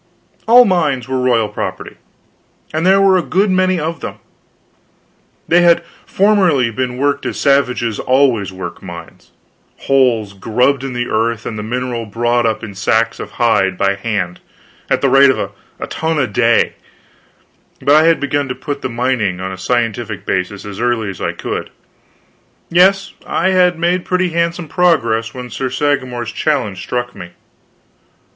All mines were royal property, and there were a good many of them. They had formerly been worked as savages always work mines holes grubbed in the earth and the mineral brought up in sacks of hide by hand, at the rate of a ton a day; but I had begun to put the mining on a scientific basis as early as I could. Yes, I had made pretty handsome progress when Sir Sagramor's challenge struck me.